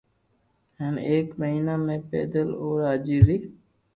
ھين ايڪ مھينا ۾ پيدل او راجي ري